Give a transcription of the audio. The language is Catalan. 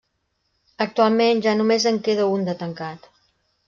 Actualment ja només en queda un de tancat.